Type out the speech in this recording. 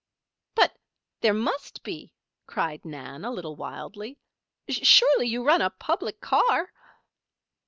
"But there must be!" cried Nan, a little wildly. "Surely you run a public car?"